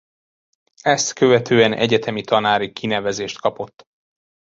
Ezt követően egyetemi tanári kinevezést kapott.